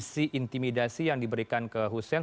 isi intimidasi yang diberikan ke hussein